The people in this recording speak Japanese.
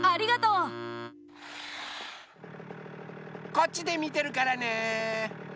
こっちでみてるからね！